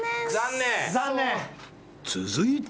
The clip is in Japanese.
［続いて］